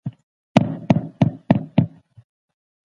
که رنځ وي نو ټول سره مساوي دي.